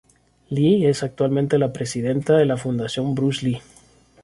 Lee es actualmente la presidenta de la Fundación Bruce Lee.